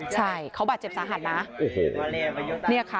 ใช่เขาบาดเจ็บสาหร่าฯนะ